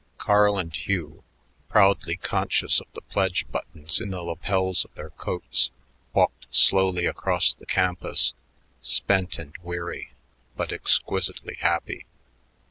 Carl and Hugh, proudly conscious of the pledge buttons in the lapels of their coats, walked slowly across the campus, spent and weary, but exquisitely happy.